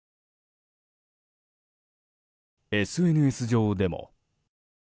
ＳＮＳ上でも。